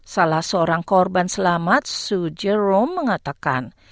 salah seorang korban selamat sue jerome mengatakan